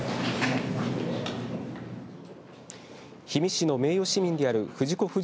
氷見市の名誉市民である藤子